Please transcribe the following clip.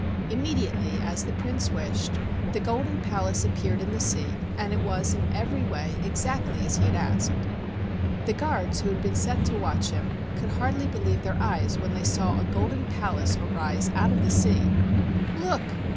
Immediately, as the Prince wished, the golden palace appeared in the sea, and it was in every way exactly as he had asked. The guards who had been set to watch him 39 THE WONDERFUL RING could hardly believe their eyes when they saw a golden palace arise out of the sea. "Look!